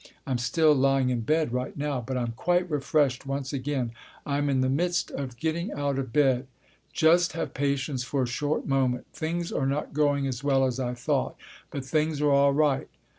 I'm still lying in bed right now. But I'm quite refreshed once again. I'm in the midst of getting out of bed. Just have patience for a short moment! Things are not going as well as I thought. But things are all right.